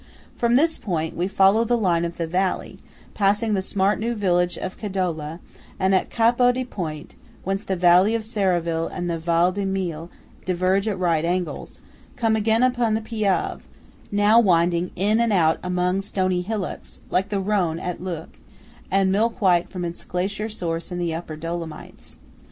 From this point, we follow the line of the valley, passing the smart new village of Cadola; and at Capo di Ponte, whence the valley of Serravalle and the Val di Mel diverge at right angles, come again upon the Piave, now winding in and out among stony hillocks, like the Rhone at Leuk, and milk white from its glacier source in the upper Dolomites.